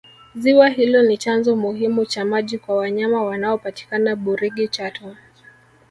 ziwa hilo ni chanzo muhimu cha maji kwa wanyama wanaopatikana burigi chato